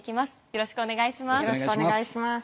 よろしくお願いします。